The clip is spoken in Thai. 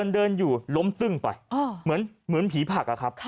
เดินอยู่ล้มตึ้งไปเหมือนผีผัก